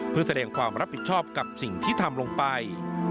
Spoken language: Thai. เพื่อแสดงความรับผิดชอบกับสิ่งที่ทำลงไป